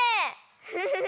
フフフ。